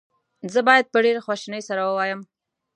زه باید په ډېرې خواشینۍ سره ووایم.